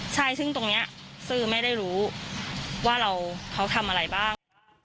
ใช่ซึ่งตรงนี้สื่อไม่ได้รู้ว่าเขาทำอะไรบ้าง